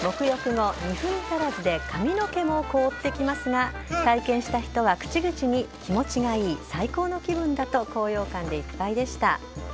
沐浴後２分足らずで髪の毛も凍ってきますが体験した人は口々に気持ちがいい、最高の気分だと高揚感でいっぱいでした。